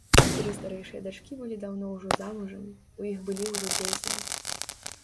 Тры старэйшыя дачкі былі даўно ўжо замужам, у іх былі ўжо дзеці.